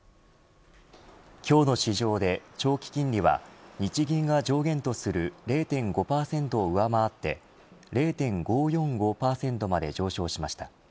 今日の市場で長期金利は日銀が上限とする０．５％を上回って０．５４５％まで上昇しました。